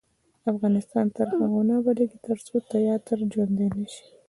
افغانستان تر هغو نه ابادیږي، ترڅو تیاتر ژوندی نشي.